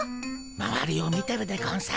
まわりを見てるでゴンス。